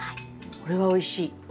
これはおいしい。